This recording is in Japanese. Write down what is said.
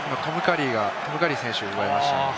トム・カリー選手が奪いましたね。